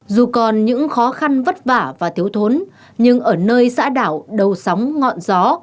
dù còn những khó khăn vất vả và thiếu thốn nhưng ở nơi xã đảo đầu sóng ngọn gió